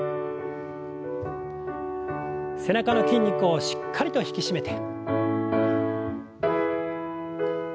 背中の筋肉をしっかりと引き締めて。